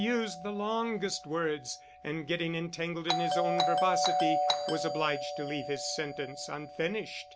He used the longest words, and, getting entangled in his own verbosity, was obliged to leave his sentence unfinished.